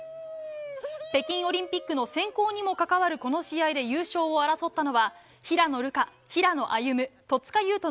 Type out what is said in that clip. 北京オリンピックの選考にも関わるこの試合で優勝を争ったのは平野流佳、平野歩夢、戸塚優